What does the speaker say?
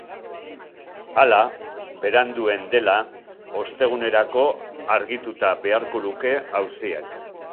Hala, beranduen dela, ostegunerako argituta beharko luke auziak.